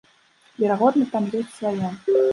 Верагодна, там ёсць свае.